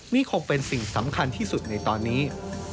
นี่คงเป็นสิ่งสำคัญที่สุดในตอนนี้